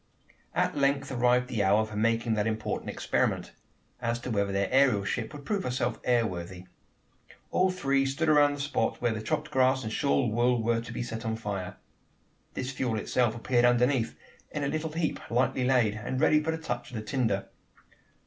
At length arrived the hour for making that important experiment as to whether their aerial ship would prove herself air worthy. All three stood around the spot where the chopped grass and shawl wool were to be set on fire. This fuel itself appeared underneath in a little heap lightly laid, and ready for the touch of the tinder.